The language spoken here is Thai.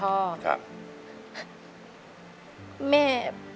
ครับ